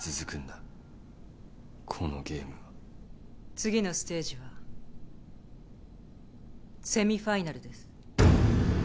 次のステージはセミファイナルです。